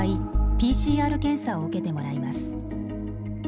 ＰＣＲ検査を受けてもらいます。